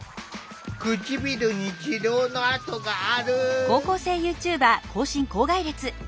唇に治療の痕がある。